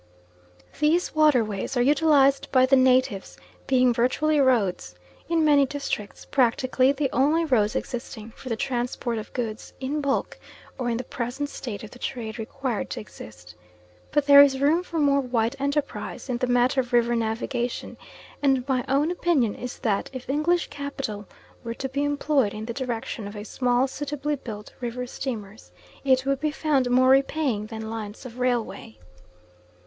These waterways are utilised by the natives, being virtually roads; in many districts practically the only roads existing for the transport of goods in bulk, or in the present state of the trade required to exist. But there is room for more white enterprise in the matter of river navigation; and my own opinion is that if English capital were to be employed in the direction of small suitably built river steamers, it would be found more repaying than lines of railway.